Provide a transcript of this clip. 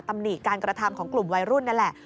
หนิการกระทำของกลุ่มวัยรุ่นนั่นแหละ